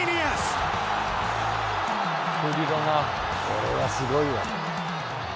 これはすごいわ。